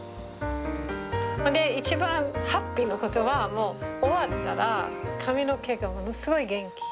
ほんで一番ハッピーなことは終わったら髪の毛がものすごい元気。